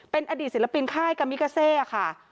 เป็นอดีตศิลปินค่ายกามิกาเซค่ะ